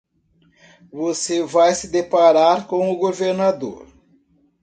Você vai se deparar com o governador.